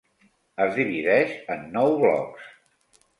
Es divideix en nou blocs.